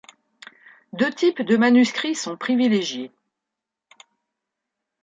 Deux types de manuscrits sont privilégiés.